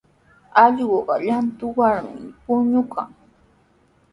Allquqa llantutrawmi puñuykan.